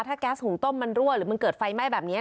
ถ้าแก๊สหุงต้มมันรั่วหรือมันเกิดไฟไหม้แบบนี้